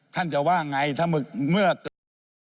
ท่านจะว่าไงถ้าเมื่อเกิด